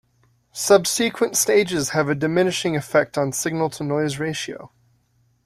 Subsequent stages have a diminishing effect on signal-to-noise ratio.